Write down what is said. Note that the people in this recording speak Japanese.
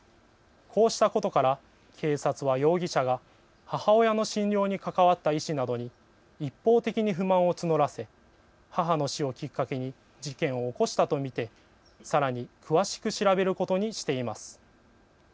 こうしたことから警察は容疑者が母親の診療に関わった医師などに一方的に不満を募らせ母の死をきっかけに事件を起こしたと見てさらに詳しく調べることにしています。